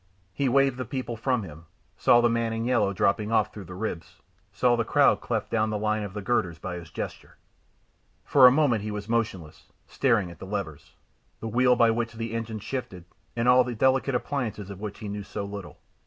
He waved the people from him, saw the man in yellow dropping off through the ribs, saw the crowd cleft down the line of the girders by his gesture. For a moment he was motionless, staring at the levers, the wheel by which the engine shifted, and all the delicate appliances of which he knew so little.